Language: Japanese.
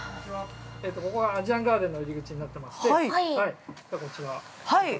◆ここがアジアンガーデンの入り口になってまして。